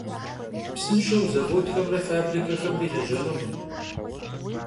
Psınşşeu zavodxemre fabrikexemri lejenukhım.